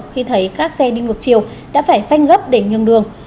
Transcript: khi thấy các xe đi ngược chiều đã phải phanh gấp để nhường đường